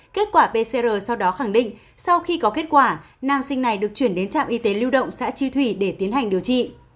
kết quả pcr sau đó khẳng định sau khi có kết quả nam sinh này được chuyển đến trạm y tế lưu động xã tri thủy để tiến hành điều trị